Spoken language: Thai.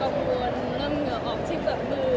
เราก็รู้สึกว่ากังวลเริ่มเหงื่อออกทิ้งจากมือ